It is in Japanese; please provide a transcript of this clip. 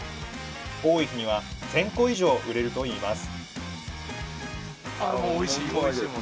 多い日には１，０００個以上売れるといいます